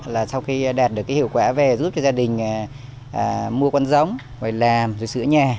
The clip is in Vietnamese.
là sau khi đạt được hiệu quả về giúp cho gia đình mua con giống làm sửa nhà